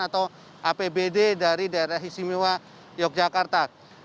atau apbd dari daerah istimewa yogyakarta